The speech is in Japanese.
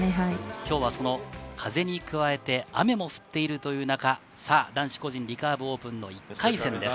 今日はその風に加えて雨も降っているという中、男子個人リカーブオープンの１回戦です。